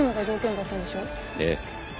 ええ。